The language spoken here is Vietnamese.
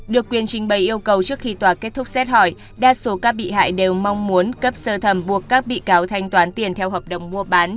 được quyền trình bày yêu cầu trước khi tòa kết thúc xét hỏi đa số các bị hại đều mong muốn cấp sơ thẩm buộc các bị cáo thanh toán tiền theo hợp đồng mua bán